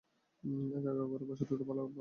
একা-একা ঘরে বসে থাকতে ভারো লাগে না।